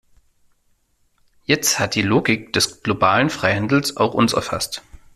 Jetzt hat die Logik des globalen Freihandels auch uns erfasst.